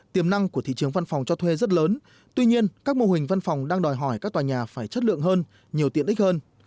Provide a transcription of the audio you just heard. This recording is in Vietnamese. tiềm năng của thị trường văn phòng cho thuê rất lớn tuy nhiên các mô hình văn phòng đang đòi hỏi các tòa nhà phải chất lượng hơn nhiều tiện ích hơn